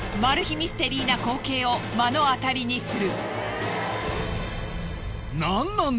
ミステリーな光景を目の当たりにする。